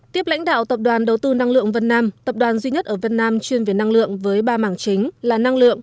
tiếp lãnh đạo tập đoàn đầu tư năng lượng vân nam tập đoàn duy nhất ở vân nam chuyên về năng lượng với ba mảng chính là năng lượng